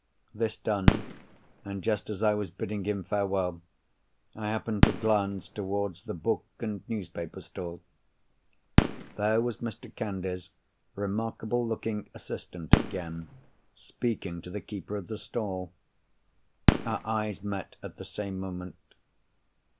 This done, and just as I was bidding him farewell, I happened to glance towards the book and newspaper stall. There was Mr. Candy's remarkable looking assistant again, speaking to the keeper of the stall! Our eyes met at the same moment.